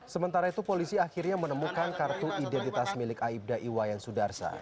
sementara itu polisi akhirnya menemukan kartu identitas milik aibda iwayan sudarsa